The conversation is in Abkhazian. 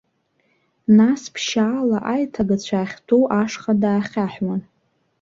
Нас ԥшьаала аиҭагацәа ахьтәоу ашҟа даахьаҳәуан.